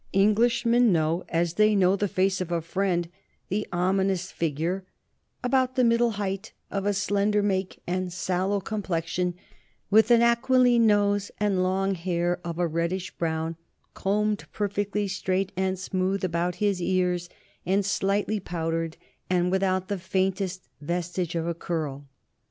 Englishmen know, as they know the face of a friend, the ominous figure "about the middle height, of a slender make and sallow complexion, with an aquiline nose, and long hair of a reddish brown, combed perfectly straight and smooth about his ears and slightly powdered, but without the faintest vestige of a curl."